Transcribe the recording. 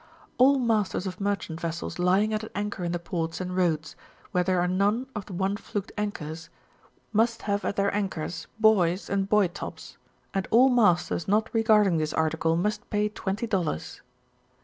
All masters of merchant vessels lying at an anchor in the ports and roads where there are none of the one fluked anchors, must have at their anchors buoys and buoy tops; and all masters not regarding this article must pay 20 dollars.